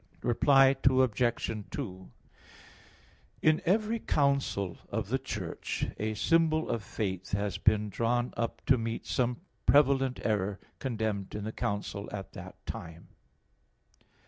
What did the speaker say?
Reply Obj. 2: In every council of the Church a symbol of faith has been drawn up to meet some prevalent error condemned in the council at that time.